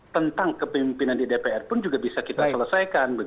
tentang kepemimpinan di dpr pun juga bisa kita selesaikan